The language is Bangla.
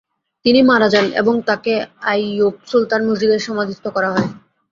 তিনি মারা যান এবং তাকে আইউপ সুলতান মসজিদে সমাধিস্থ করা হয়।